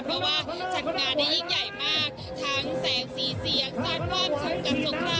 เพราะว่าช่างงานนี้ยิ่งใหญ่มากทั้งแสงซีเสี้ยงซากว่างชงเกิดสงคราม